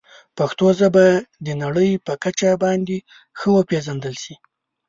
پښتو ژبه د نړۍ په کچه باید ښه وپیژندل شي.